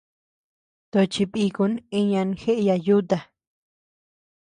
Tochi bikun iñan jeeya yuta.